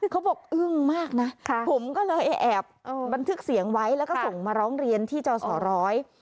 เขาบอกอึ้งมากนะผมก็เลยแอบบันทึกเสียงไว้แล้วก็ส่งมาร้องเรียนที่จอสอร้อย